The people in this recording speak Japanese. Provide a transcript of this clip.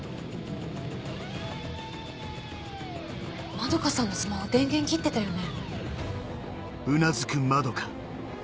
円さんのスマホ電源切ってたよね？